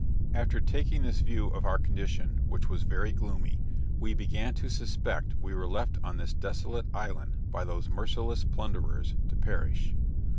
After taking this view of our condition, which was very gloomy, we began to suspect we were left on this desolate island by those merciless plunderers to perish.